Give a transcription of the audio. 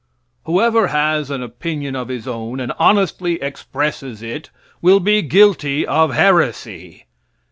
Whoever has an opinion of his own, and honestly expresses it, will be guilty of heresy.